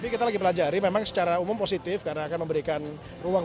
kita lagi pelajari memang secara umum positif karena akan memberikan ruang